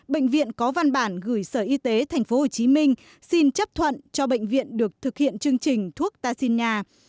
bệnh viện có văn bản gửi sở y tế tp hcm xin chấp thuận cho bệnh viện được thực hiện chương trình thuốc taxi nhà